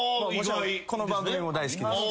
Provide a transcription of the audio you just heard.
この番組も大好きです。